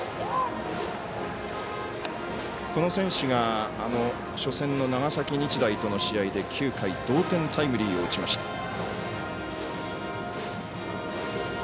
この選手が初戦の長崎日大との試合で９回、同点タイムリーを打ちました。